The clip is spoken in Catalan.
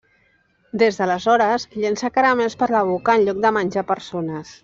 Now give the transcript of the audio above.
Des d'aleshores llença caramels per la boca en lloc de menjar persones.